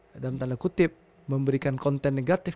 dalam tanda kutip memberikan konten negatif